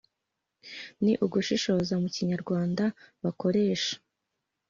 ni ugushishoza mu kinyarwanda bakoresha,